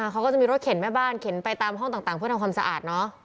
เขาก็จะมีรถเข็นแม่บ้านเข็นไปตามห้องต่างเพื่อทำความสะอาดเนอะ